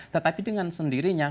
tetapi dengan sendirinya